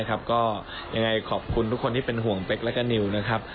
ก็ยังไงขอบคุณทุกคนที่เป็นห่วงเป๊กและก็นิวนะครับ